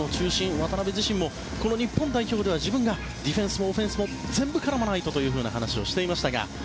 渡邊自身も日本代表では自分がディフェンスもオフェンスも全部絡まないとという話もしていましたが。